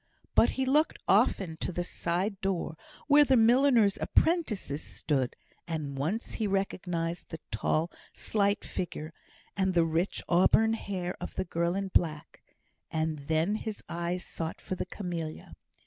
But he looked often to the side door where the milliner's apprentices stood; and once he recognised the tall, slight figure, and the rich auburn hair of the girl in black; and then his eye sought for the camellia.